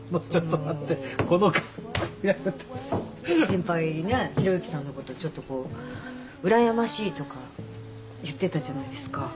先輩ね広行さんのことちょっとこううらやましいとか言ってたじゃないですか。